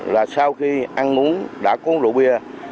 là sau khi ăn uống đã cuốn rượu bia